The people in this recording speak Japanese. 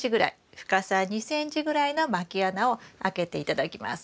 深さ２ｃｍぐらいのまき穴を開けて頂きます。